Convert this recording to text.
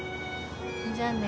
じゃあね。